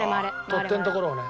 取っ手のところをね。